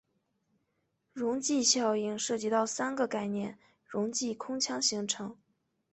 溶剂效应涉及到三个概念溶剂空腔形成。